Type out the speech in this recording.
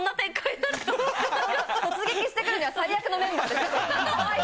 直撃してくるには最悪のメンバーです。